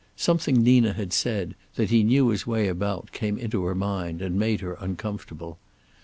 Something Nina had said, that he knew his way about, came into her mind, and made her uncomfortable.